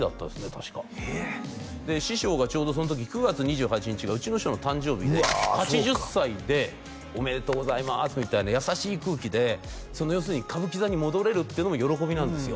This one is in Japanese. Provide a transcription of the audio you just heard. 確か師匠がちょうどその時９月２８日がうちの師匠の誕生日で８０歳でおめでとうございますみたいな優しい空気で要するに歌舞伎座に戻れるっていうのも喜びなんですよ